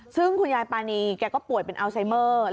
ซึ่งคุณยายปานีแกก็ป่วยเป็นอัลไซเมอร์